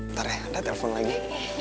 ntar ya ada telepon lagi